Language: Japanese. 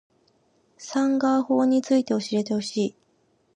サンガ―法について教えてほしい